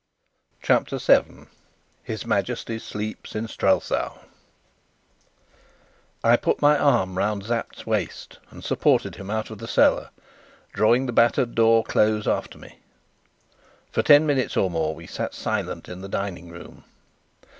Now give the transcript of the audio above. CHAPTER 7 His Majesty Sleeps in Strelsau I put my arm round Sapt's waist and supported him out of the cellar, drawing the battered door close after me. For ten minutes or more we sat silent in the dining room.